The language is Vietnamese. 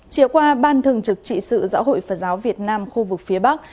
chiều qua ban thường trực trị sự giáo hội phật giáo việt nam khu vực phía bắc